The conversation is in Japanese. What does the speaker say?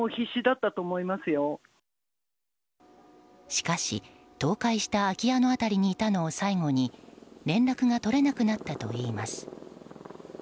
しかし、倒壊した空き家の辺りにいたのを最後に連絡が取れなくなったといいます。